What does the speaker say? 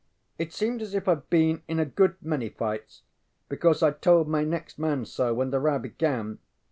It seemed as if IŌĆÖd been in a good many fights, because I told my next man so when the row began.